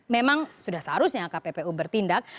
memang sudah seharusnya kppu bertindak